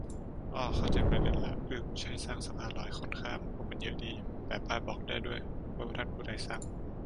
อ้อ เข้าใจประเด็นล่ะ อืมใช่ สร้างสะพานลอยคนข้าม งบมันเยอะดี แปะป้ายบอกได้ด้วย ว่าท่านผู้ใดสร้าง